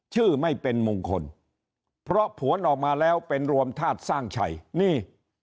ไม่เป็นมงคลเพราะผลออกมาแล้วเป็นรวมธาตุสร้างชัยนี่